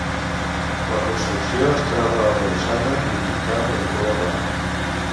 La construcció es troba arrebossada i pintada de color clar.